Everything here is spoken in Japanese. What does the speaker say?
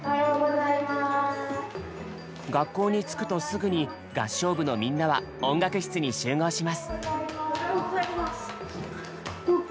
学校に着くとすぐに合唱部のみんなは音楽室に集合します。